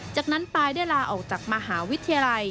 จากนั้นตายได้ลาออกจากมหาวิทยาลัย